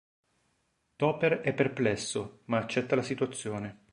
Topher è perplesso, ma accetta la situazione.